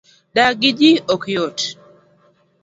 dak gi jii ok yot